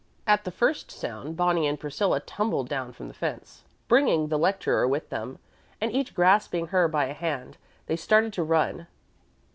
At the first sound, Bonnie and Priscilla tumbled down from the fence, bringing the lecturer with them, and, each grasping her by a hand, they started to run.